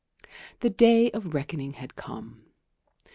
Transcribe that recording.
The day of reckoning had come.